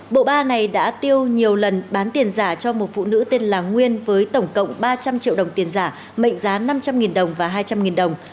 bộ ba này đã tiêu nhiều lần bán tiền giả cho một phụ nữ tên là nguyên với tổng cộng ba trăm linh triệu đồng tiền giả mệnh giá năm trăm linh đồng và hai trăm linh đồng